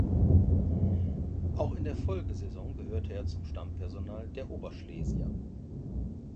Auch in der Folgesaison gehörte er zum Stammpersonal der Oberschlesier.